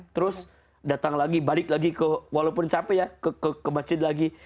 terus datang lagi balik lagi ke walaupun capek ya ke masjid lagi